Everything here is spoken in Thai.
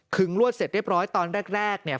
ลวดเสร็จเรียบร้อยตอนแรกเนี่ย